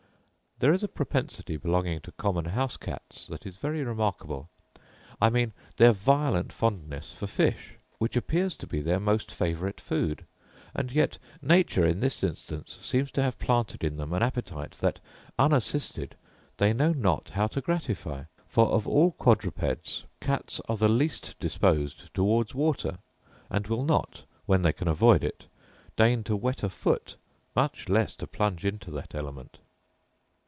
There is a propensity belonging to common house cats that is very remarkable; I mean their violent fondness for fish, which appears to be their most favourite food: and yet nature in this instance seems to have planted in them an appetite that, unassisted, they know not how to gratify: for of all quadrupeds cats are the least disposed towards water; and will not, when they can avoid it, deign to wet a foot, much less to plunge into that element.